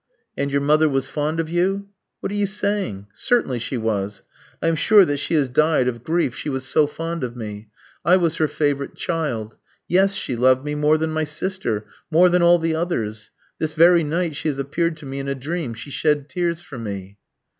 "And your mother was fond of you?" "What are you saying? Certainly she was. I am sure that she has died of grief, she was so fond of me. I was her favourite child. Yes, she loved me more than my sister, more than all the others. This very night she has appeared to me in a dream, she shed tears for me."